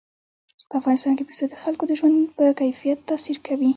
په افغانستان کې پسه د خلکو د ژوند په کیفیت تاثیر کوي.